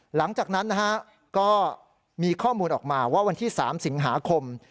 หลังจากนั้นนะฮะก็มีข้อมูลออกมาว่าวันที่๓สิงหาคม